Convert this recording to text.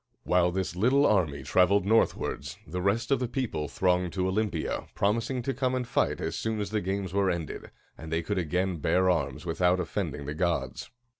While this little army traveled northwards, the rest of the people thronged to Olympia, promising to come and fight as soon as the games were ended, and they could again bear arms without offending the gods.